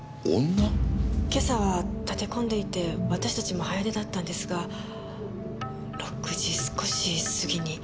今朝は立て込んでいて私たちも早出だったんですが６時少し過ぎに。